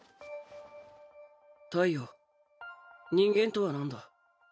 太陽人間とはなんだ？